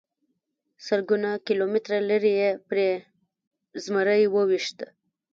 سلګونه کیلومتره لرې یې پرې زمری وويشت.